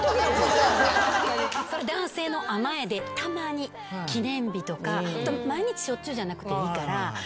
それ男性の甘えでたまに記念日とか毎日しょっちゅうじゃなくていいから。